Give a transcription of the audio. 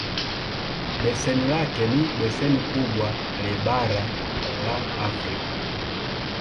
Beseni lake ni beseni kubwa le bara la Afrika.